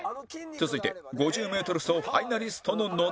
続いて５０メートル走ファイナリストの野田